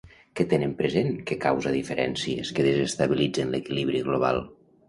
Què tenen present que causa diferències que desestabilitzen l'equilibri global?